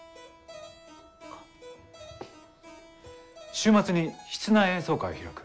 週末に室内演奏会を開く。